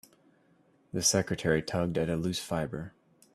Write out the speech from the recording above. The secretary tugged at a loose fibre.